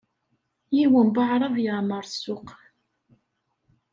Yiwen n waɛṛab yeɛmeṛ ssuq.